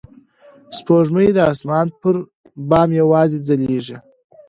سپوږمۍ د اسمان پر بام یوازې ځلېږي.